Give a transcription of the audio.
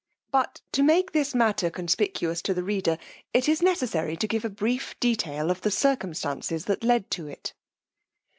But to make this matter conspicuous to the reader, it is necessary to give a brief detail of the circumstances that led to it.